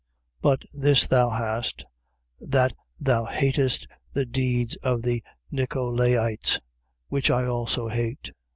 2:6. But this thou hast, that thou hatest the deeds of the Nicolaites, which I also hate.